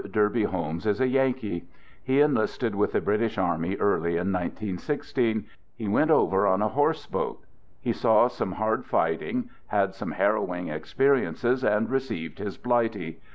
Derby Holmes is a Yankee. He en listed with the British army early in 191 6. He went over on a horse boat. He saw some hard fighting, had some harrowing experiences, and re ceived his Blighty.